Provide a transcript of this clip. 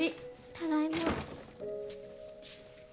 ただいま。